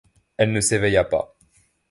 Elle ne s’éveilla pas.